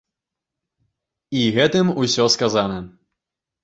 І гэтым усё сказана!